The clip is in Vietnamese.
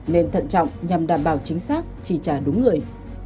nên thận trọng nhằm đảm bảo chính xác chi trả đúng người